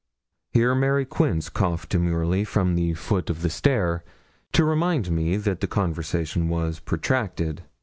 Here Mary Quince coughed demurely from the foot of the stair, to remind me that the conversation was protracted.